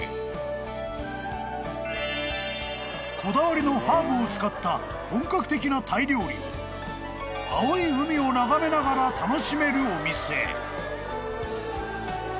［こだわりのハーブを使った本格的なタイ料理を青い海を眺めながら楽しめるお店］